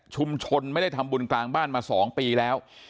ไม่ได้ทำบุญกลางบ้านมา๒ปีแล้ว